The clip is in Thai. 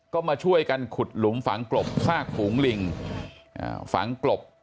ก็มาช่วยกันขุดหลุมฝังกลบซากฝูงลิงฝังกลบ